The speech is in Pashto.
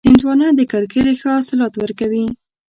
هندوانه د کرکېلې ښه حاصلات ورکوي.